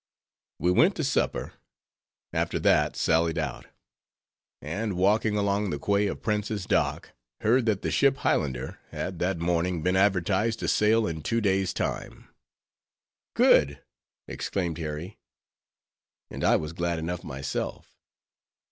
We went to supper; after that, sallied out; and walking along the quay of Prince's Dock, heard that the ship Highlander had that morning been advertised to sail in two days' time. "Good!" exclaimed Harry; and I was glad enough myself.